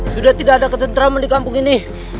sudah tidak ada ketentraman di kampung ini